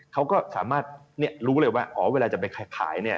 เขาก็สามารถรู้เลยว่าเวลาจะไปขาย